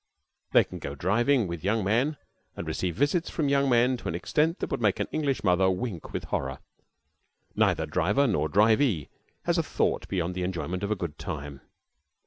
They can go driving with young men and receive visits from young men to an extent that would make an English mother wink with horror, and neither driver nor drivee has a thought beyond the enjoyment of a good time.